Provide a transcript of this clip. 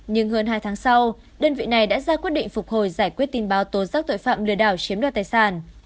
nhưng hơn hai tháng sau đơn vị này đã ra quyết định phục hồi giải quyết tin báo tố giác tội phạm lừa đảo chiếm đoạt tài sản